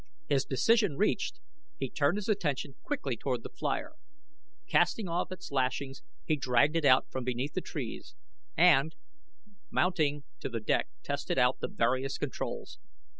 His decision reached he turned his attention quickly toward the flier. Casting off its lashings he dragged it out from beneath the trees, and, mounting to the deck tested out the various controls.